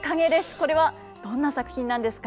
これはどんな作品なんですか？